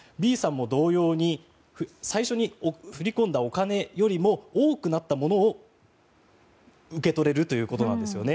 Ｂさんも同様に最初に振り込んだお金よりも多くなったものを受け取れるということなんです。